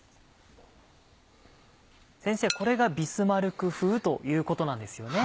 これがビスマルク風ということなんですよね？